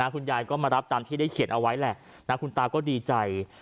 คุณยายก็มารับตามที่ได้เขียนเอาไว้แหละคุณตาก็ดีใจ